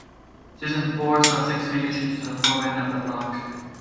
Season four saw six major changes to the format of "The Block".